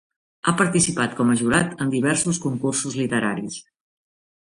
Ha participat com a jurat en diversos concursos literaris.